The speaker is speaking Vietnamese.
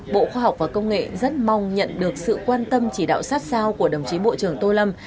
bộ khoa học và công nghệ rất mong nhận được sự quan tâm chỉ đạo sát sao của đồng chí bộ trưởng tô lâm